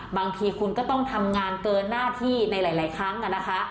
บางทีคุณก็ต้องทำงานเกินหน้าที่ในหลายครั้งนะคะ